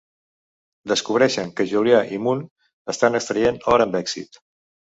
Descobreixen que Julia i Moon estan extraient or amb èxit.